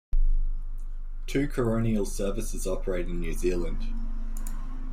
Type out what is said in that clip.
Two coronial services operate in New Zealand.